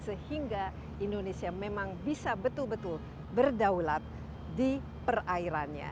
sehingga indonesia memang bisa betul betul berdaulat di perairannya